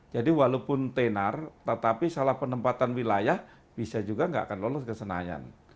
jadi walaupun tenar tetapi salah penempatan wilayah bisa juga tidak akan lolos ke senayan